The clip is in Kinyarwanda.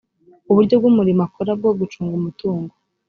uburyo bw’umurimo akora bwo gucunga umutungo